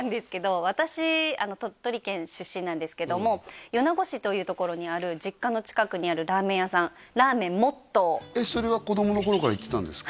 私鳥取県出身なんですけども米子市というところにある実家の近くにあるラーメン屋さんそれは子供の頃から行ってたんですか？